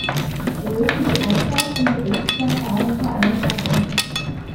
Wir müssen die Antrags- und Berichtsverfahren vereinfachen.